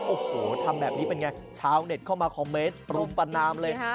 โอ้โหทำแบบนี้เป็นไงชาวเน็ตเข้ามาคอมเมนต์รุมประนามเลย